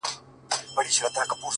نسه نه وو نېمچه وو ستا د درد په درد،